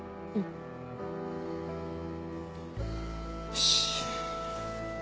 よし。